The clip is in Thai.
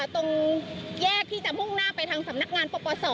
ตรงแยกที่จะมุ่งหน้าไปทางสำนักงานปปศ